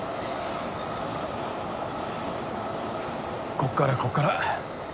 こっからこっから。